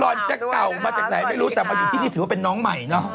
ก่อนจะเก่ามาจากไหนไม่รู้แต่มาอยู่ที่นี่ถือว่าเป็นน้องใหม่เนอะ